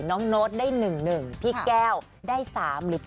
น้องนดได้หนึ่งพี่แก้วได้๓หรือ๘